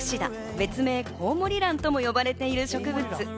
別名コウモリランとも呼ばれている植物。